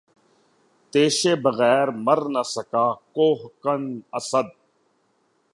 تیشے بغیر مر نہ سکا کوہکن، اسد